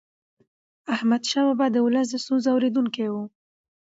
احمدشاه بابا د ولس د ستونزو اورېدونکی و.